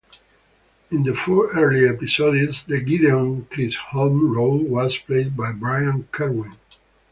In the four earlier episodes, the Gideon Chisholm role was played by Brian Kerwin.